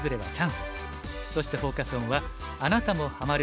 そしてフォーカス・オンは「あなたもハマる！